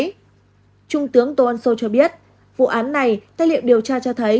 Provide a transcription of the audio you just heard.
trung tướng tô ân sô cho biết vụ án này tài liệu điều tra cho thấy